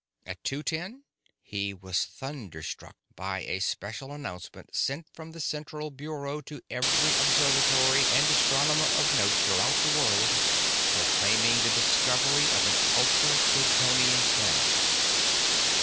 At two ten he was thunderstruck by a special announcement sent from the Central Bureau to every observatory and astronomer of note throughout the world, proclaiming the discovery of an ultra Plutonian planet.